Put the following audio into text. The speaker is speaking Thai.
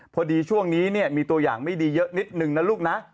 พอดีช่วงนี้เนี่ยมีตัวอย่างไม่ดีเยอะนิดนึงนะลูกนะ